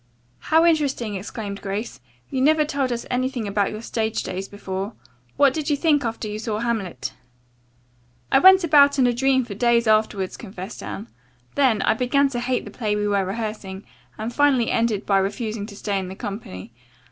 "How interesting!" exclaimed Grace. "You never told us anything about your stage days before. What did you think after you saw 'Hamlet'?" "I went about in a dream for days afterward," confessed Anne. "Then, I began to hate the play we were rehearsing, and finally ended by refusing to stay in the company.